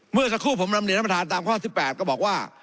เมื่อสักครู่ผมนำหน่วยนับประธานตามข้อสิบแปดก็บอกว่า